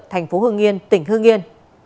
thành phố hương yên tỉnh hương yên